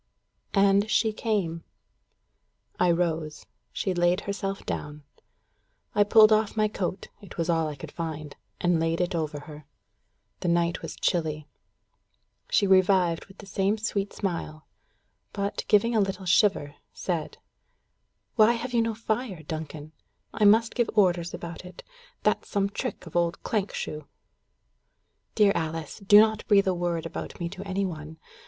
And she came. I rose. She laid herself down. I pulled off my coat it was all I could find and laid it over her. The night was chilly. She revived with the same sweet smile, but, giving a little shiver, said: "Why have you no fire, Duncan? I must give orders about it. That's some trick of old Clankshoe." "Dear Alice, do not breath a word about me to any one.